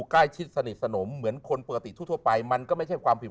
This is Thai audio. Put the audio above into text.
ใกล้ชิดสนิทสนมเหมือนคนปกติทั่วไปมันก็ไม่ใช่ความผิด